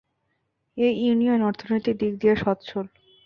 এই ইউনিয়ন অর্থনৈতিক দিক দিয়ে সচ্ছল।